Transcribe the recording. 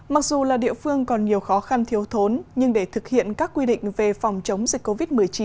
mặc dù là địa phương còn nhiều khó khăn thiếu thốn nhưng để thực hiện các quy định về phòng chống dịch covid một mươi chín